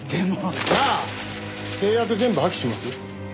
じゃあ契約全部破棄します？